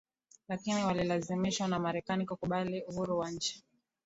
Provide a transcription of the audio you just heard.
lakini walilazimishwa na Marekani kukubali uhuru wa nchi